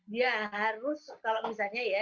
dia harus kalau misalnya ya